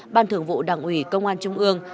ban thường vụ đảng ủy công an trung ương